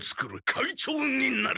会長になる！